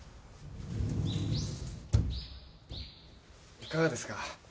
いかがですか？